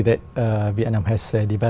thế nào việt nam đã phát triển